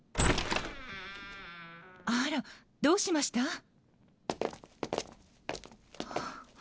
あらどうしました？